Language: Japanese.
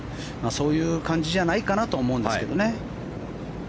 そういう感じじゃないかなと思うんですけどね。